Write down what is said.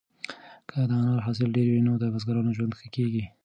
که د انار حاصل ډېر وي نو د بزګرانو ژوند ښه کیږي.